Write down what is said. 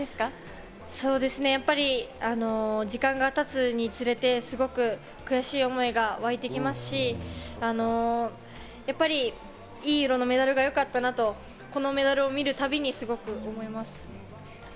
やっぱり時間が経つにつれて、すごく悔しい思いが湧いてきますし、やっぱりいい色のメダルがよかったなと、このメダルを見るたびにすごく思います。